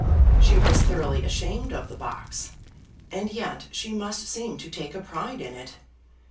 She was thoroughly ashamed of the box, and yet she must seem to take a pride in it.